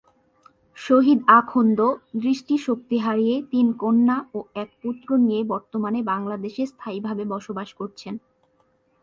শহীদ আখন্দ দৃষ্টিশক্তি হারিয়ে তিন কন্যা ও এক পুত্র নিয়ে বর্তমানে বাংলাদেশে স্থায়ীভাবে বসবাস করছেন।